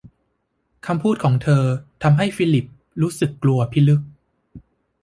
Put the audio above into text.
คำพูดของเธอ ทำให้ฟิลิปรู้สึกกลัวพิลึก